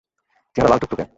চেহারা লাল টুকটুকে।